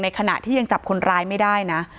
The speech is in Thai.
ขณะที่ยังจับคนร้ายไม่ได้นะ